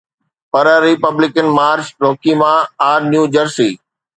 per Republican Marge Roukema, R New Jersey